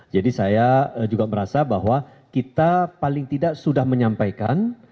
jadi saya juga merasa bahwa kita paling tidak sudah menyampaikan